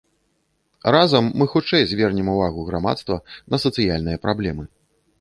Разам мы хутчэй звернем ўвагу грамадства на сацыяльныя праблемы.